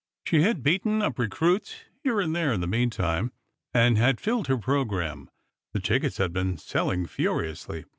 She had beaten up recruits here and there in the meantime, and had filled her programme. The tickets had been selling furiously.